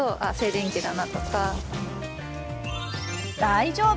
大丈夫！